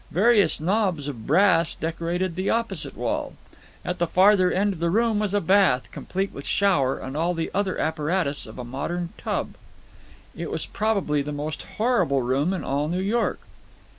Various knobs of brass decorated the opposite wall. At the farther end of the room was a bath, complete with shower and all the other apparatus of a modern tub. It was probably the most horrible room in all New York.